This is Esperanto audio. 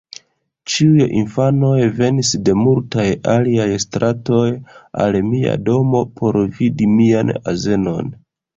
Ĉiuj infanoj venis de multaj aliaj stratoj, al mia domo, por vidi mian azenon.